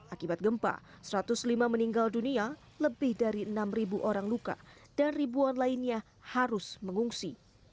akibat gempa satu ratus lima meninggal dunia lebih dari enam orang luka dan ribuan lainnya harus mengungsi